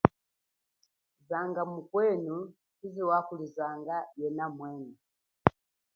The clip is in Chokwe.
Zanga mukwenu ngwechize wali zanga yemwene.